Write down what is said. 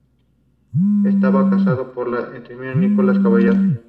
Europa Central y Septentrional entran en el corazón de la civilización Occidental.